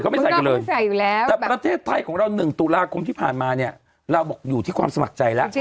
แต่ประเทศไทยของเราหนึ่งตุลาคมที่ผ่านมาเนี่ยเราบอกอยู่ที่ความสมัครใจแล้ว